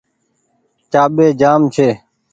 چآٻي جآم ڇي۔